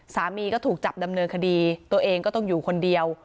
สามีก็ถูกจับดำเนินคดีตัวเองก็ต้องอยู่คนเดียว